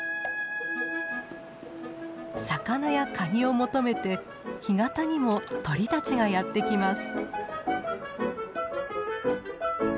魚やカニを求めて干潟にも鳥たちがやって来ます。